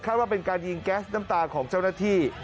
ว่าเป็นการยิงแก๊สน้ำตาของเจ้าหน้าที่